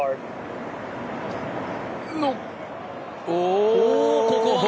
おお！